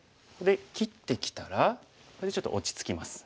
切ってきたらこれでちょっと落ち着きます。